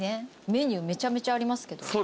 メニューめちゃめちゃありますけど。